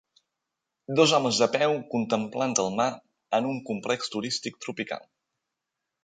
Dos homes de peu contemplant el mar en un complex turístic tropical.